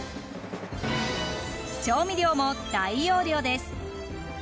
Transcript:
調味料も大容量です。